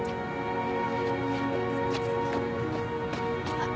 あっ。